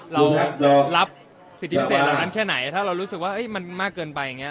เรารับสิทธิพิเศษเหล่านั้นแค่ไหนถ้าเรารู้สึกว่ามันมากเกินไปอย่างนี้